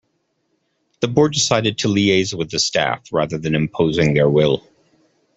The board decided to liaise with the staff rather than imposing their will.